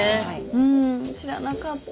うん知らなかった。